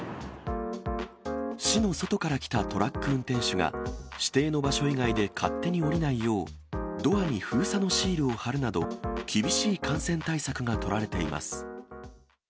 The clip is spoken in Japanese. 市の外から来たトラック運転手が、指定の場所以外で勝手に降りないよう、ドアに封鎖のシールを貼るなど、厳しい感染対策が取られています。